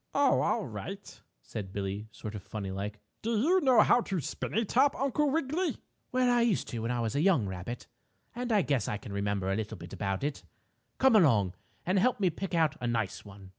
"Oh, all right," said Billie, sort of funny like. "Do you know how to spin a top, Uncle Wiggily?" "Well, I used to when I was a young rabbit, and I guess I can remember a little about it. Come along and help me pick out a nice one."